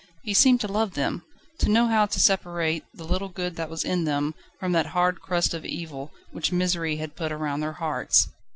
He seemed to love them: to know how to separate the little good that was in them, from that hard crust of evil, which misery had put around their hearts.